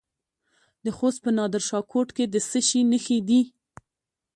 د خوست په نادر شاه کوټ کې د څه شي نښې دي؟